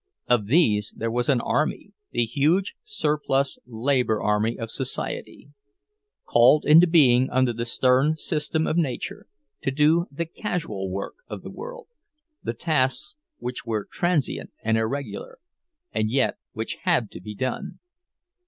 Of these there was an army, the huge surplus labor army of society; called into being under the stern system of nature, to do the casual work of the world, the tasks which were transient and irregular, and yet which had to be done.